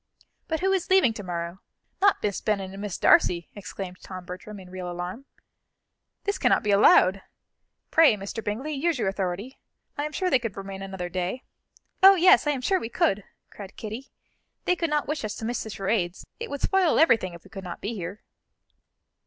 "But who is leaving to morrow? Not Miss Bennet and Miss Darcy?" exclaimed Tom Bertram in real alarm. "This cannot be allowed. Pray, Mr. Bingley, use your authority. I am sure they could remain another day." "Oh, yes, I am sure we could," cried Kitty; "they could not wish us to miss the charades it would spoil everything if we could not be here."